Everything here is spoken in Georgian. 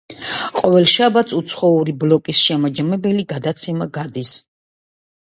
ყოველ შაბათს უცხოური ბლოკის შემაჯამებელი გადაცემა გადის.